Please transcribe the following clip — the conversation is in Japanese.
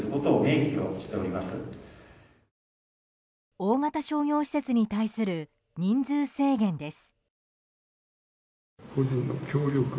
大型商業施設に対する人数制限です。